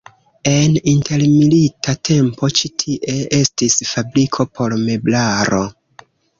En intermilita tempo ĉi tie estis fabriko por meblaro.